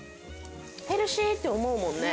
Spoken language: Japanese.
ヘルシー！って思うもんね。